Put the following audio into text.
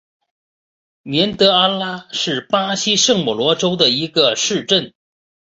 年德阿拉是巴西圣保罗州的一个市镇。